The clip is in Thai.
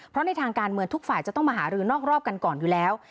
เพราะในทางการเมืองทุกฝ่ายจะต้องมาหารือนอกรอบกันก่อนอยู่แล้ว